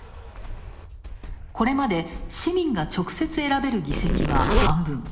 これまで、市民が直接、選べる議席は半分。